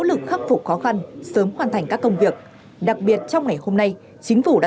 lực khắc phục khó khăn sớm hoàn thành các công việc đặc biệt trong ngày hôm nay chính phủ đã